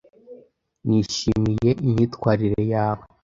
Nishimiye imyitwarire yawe.